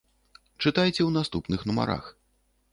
Чытайце ў наступных нумарах.